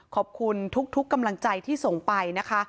ขอบคุณทุกกำลังใจที่ส่งไปนะคะ